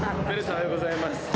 おはようございます